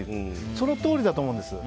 その通りだと思うんです。